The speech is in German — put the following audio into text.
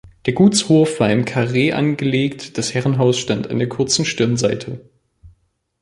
Der Gutshof war im Karree angelegt, das Herrenhaus stand an der kurzen Stirnseite.